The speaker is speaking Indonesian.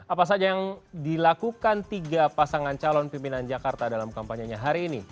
apa saja yang dilakukan tiga pasangan calon pimpinan jakarta dalam kampanye nya hari ini